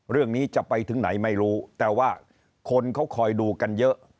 เรื่องนี้จะไปถึงไหนไม่รู้แต่ว่าคนเขาคอยดูกันเยอะ